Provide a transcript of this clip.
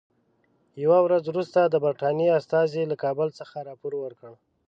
یوه ورځ وروسته د برټانیې استازي له کابل څخه راپور ورکړ.